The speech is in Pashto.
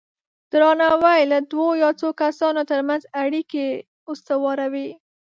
درناوی د دوه یا څو کسانو ترمنځ اړیکې استواروي.